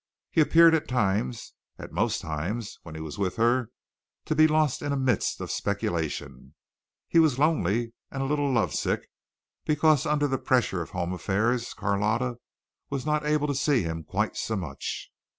He appeared at times at most times when he was with her to be lost in a mist of speculation. He was lonely and a little love sick, because under the pressure of home affairs Carlotta was not able to see him quite so much.